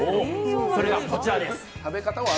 それがこちらです。